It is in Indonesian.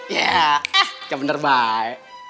yah ah coba bener baik